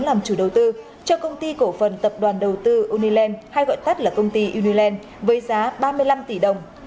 làm chủ đầu tư cho công ty cổ phần tập đoàn đầu tư uniland hay gọi tắt là công ty uniland với giá ba mươi năm tỷ đồng